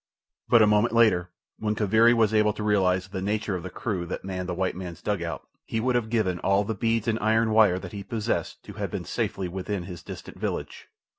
But a moment later, when Kaviri was able to realize the nature of the crew that manned the white man's dugout, he would have given all the beads and iron wire that he possessed to have been safely within his distant village.